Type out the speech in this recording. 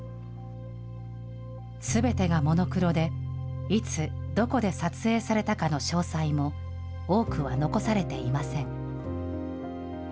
すべてがモノクロで、いつ、どこで撮影されたかの詳細も、多くは残されていません。